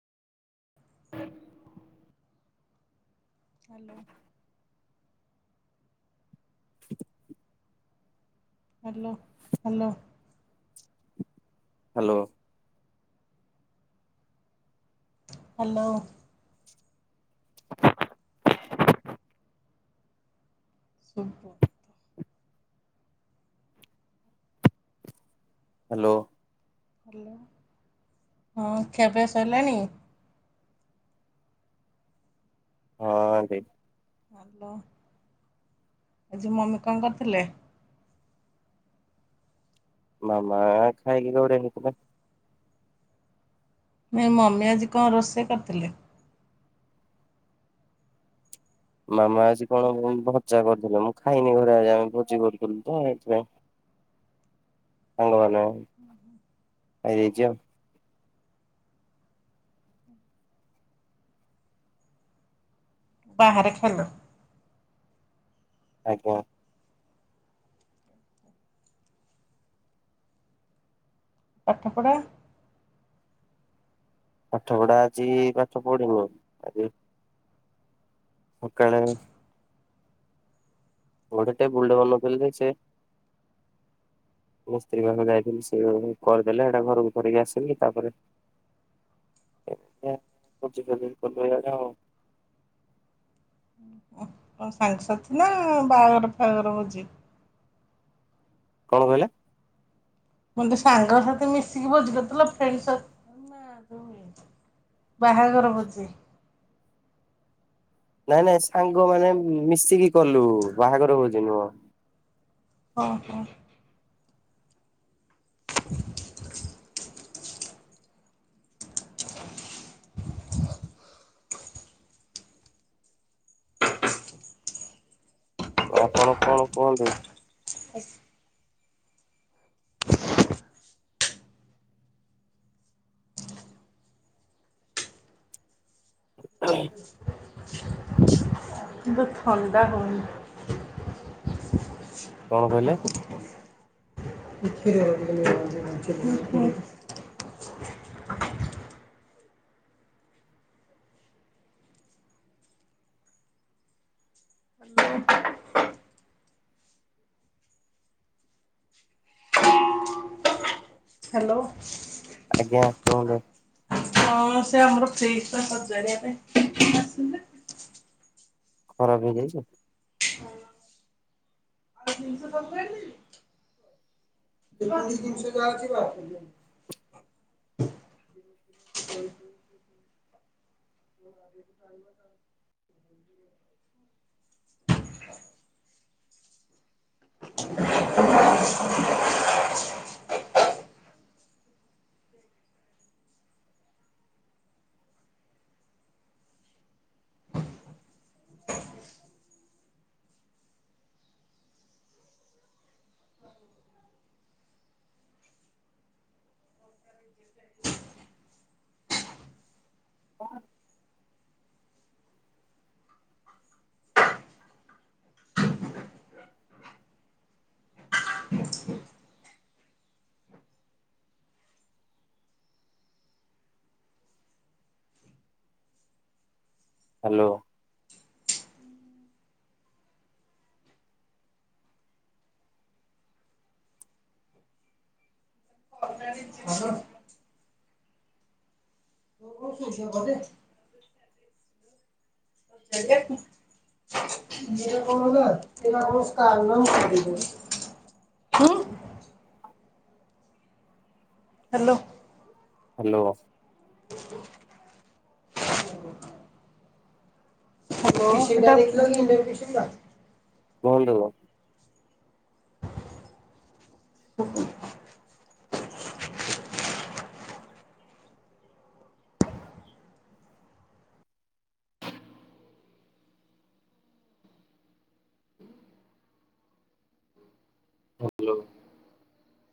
Hello. Hello hello. Hello. Hello. ସୁବୁ hello. Hello ହଁ ଖିଆପିଆ ସରିଲାଣି? ହଁ ଆଣ୍ଟି। ଆଲୋ। ଆଜି ମମି କଣ କରିଥିଲେ? ମାମା ଖାାଇକି ଗଡି ନେଇ ଥିଲେ। ନାଇଁ ମମି ଆଜି କଣ ରୋଷେଇ କରିଥିଲେ? ମାମା ଆଜି କଣ ଭଜା କରିଥିଲେ ମୁଁ ଖାଇନି ଘରେ ଆଜି ଆମ ଭୋଜି କରୁଥିଲୁ ତ ଏଇଥିପାଇଁ ସାଙ୍ଗମାନେ ଖାଇଦେଇଚି ଆଉ। ବାହାରେ ଖାଇଲ? ଆଜ୍ଞା। ପାଠପଢ଼ା? ପାଠ ପଢା ଆଜି ପାଠ ପଢିନି। ଆଜି ସକାଳେ ଗୋଟେ ଟେବୁଲଟେ ବନଉଥିଲି ସେ ମିସ୍ତ୍ରୀ ମାନ ଯାଇଥିଲି ସେ କରିଦେଲେ ସେଟା ଘରକୁ କରିକି ଆସିଲି ତାପରେ କଣ ସାଙ୍ଗସାଥି ନା ବାହାଘର ଫାହାଘର ଭୋଜି? କଣ କହିଲେ? ମତେ ସାଙ୍ଗ ସାଥି ମିଶିକି ଭୋଜି କରିଥିଲ ଫ୍ରେଣ୍ଡ ସର୍କଲ ନା ବାହାଘର ଭୋଜି? ନାଇଁ ନାଇଁ ସାଙ୍ଗ ମାନେ ମିଶିକି କଲୁ ବାହାଘର ଭୋଜି ନୁହଁ। ଅ ହୋ। [inaudible] [inaudible] ଆପଣ କଣ କୁହନ୍ତୁ? ଧେ ଥଣ୍ଡା ହଉନି। କଣ କହିଲେ? [unintelligible] ହ୍ୟାଲୋ। ଆଜ୍ଞା କୁହନ୍ତୁ। ହଁ ସେ ଆମର ଫ୍ରିଜ୍ ଟା ସଜାଡିବା ପାଇଁ [inaudible] ଖରାପ ହେଇଯାଇଛି [unintelligible] ଦେବୀ [unintelligible] [inaudible] [inaudible] [inaudible] ହ୍ୟାଲୋ। [inaudible] [unintelligible] [unintelligible] ହୁଁ। ହ୍ୟାଲୋ। ହ୍ୟାଲୋ। [unintelligible] କୁହନ୍ତୁ [inaudible] ହ୍ୟାଲୋ।